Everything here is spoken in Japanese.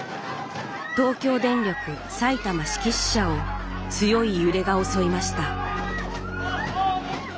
東京電力埼玉志木支社を強い揺れが襲いました